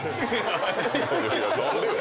何でよ？